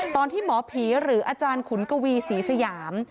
ตอนที่หมอผีหรืออาจารย์ขุนกวีศรีสยาม